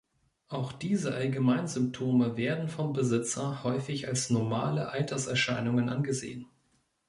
Auch diese Allgemeinsymptome werden vom Besitzer häufig als normale Alterserscheinungen angesehen.